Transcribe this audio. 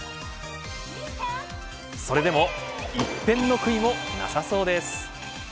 それでも、一片の悔いもなさそうです。